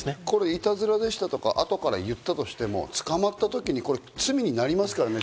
いたずらでしたとか後から言っても、捕まったとき罪になりますからね。